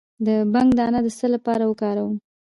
د بنګ دانه د څه لپاره وکاروم؟